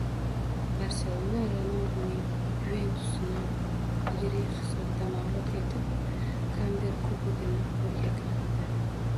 “Barselona” Ronalduning “Yuventus”ini yirik hisobda mag‘lub etib, Gamper Kubogini qo‘lga kiritdi